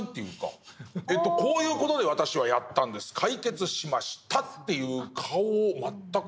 こういう事で私はやったんです解決しましたっていう顔を全く。